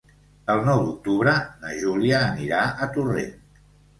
El nou d'octubre na Júlia anirà a Torrent.